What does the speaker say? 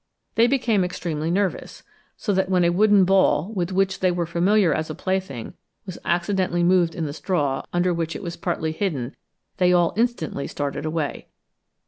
They became extremely nervous; so that when a wooden ball, with which they were familiar as a plaything, was accidentally moved in the straw, under which it was partly hidden, they all instantly started away.